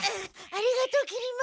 ありがとうきり丸。